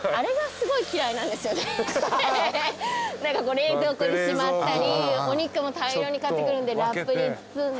冷蔵庫にしまったりお肉も大量に買ってくるんでラップに包んで。